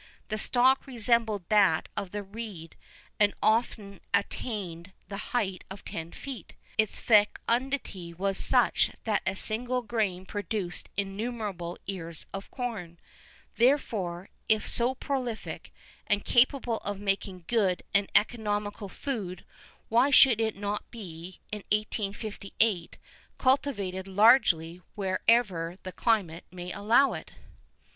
The stalk resembled that of the reed, and often attained the height of ten feet; its fecundity was such that a single grain produced innumerable ears of corn;[V 23] therefore, if so prolific, and capable of making good and economical food, why should it not be, in 1858, cultivated largely wherever the climate may allow it?